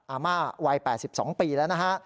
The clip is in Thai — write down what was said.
อาม่าวัย๘๒ปีแล้วนะฮะ